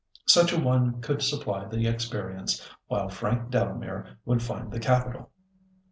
Such a one could supply the experience, while Frank Delamere would find the capital.